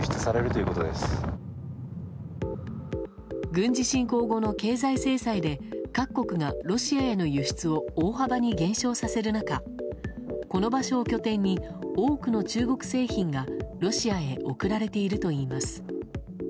軍事侵攻後の経済制裁で各国がロシアへの輸出を大幅に減少させる中この場所を拠点に多くの中国製品がロシアへ送られているといいます。